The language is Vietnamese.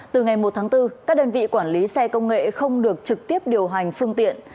từ ngày một tháng bốn các đơn vị quản lý xe công nghệ không được trực tiếp điều hành phương tiện